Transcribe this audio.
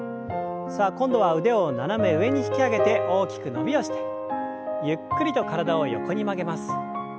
さあ今度は腕を斜め上に引き上げて大きく伸びをしてゆっくりと体を横に曲げます。